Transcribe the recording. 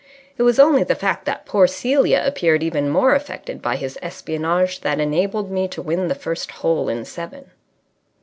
It was only the fact that poor Celia appeared even more affected by his espionage that enabled me to win the first hole in seven.